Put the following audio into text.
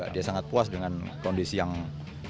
dia sangat puas dengan kondisi yang